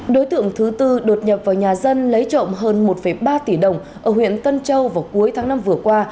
đối tượng thứ tư đột nhập vào nhà dân lấy trộm hơn một ba tỷ đồng ở huyện tân châu vào cuối tháng năm vừa qua